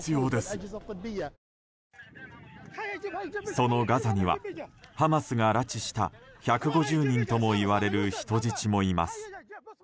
そのガザにはハマスが拉致した１５０人ともいわれる人質もいます。